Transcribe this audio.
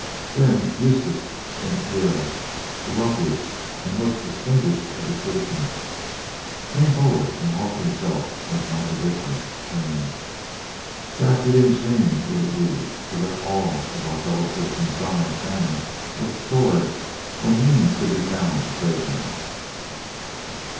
Then Eustace St. Pierre, the wealthiest and most distinguished of the citizens, came forward and offered himself as one of the victims, saying, "Sad pity and shame would it be to let all of our fellow citizens die of famine or the sword when means could be found to save them."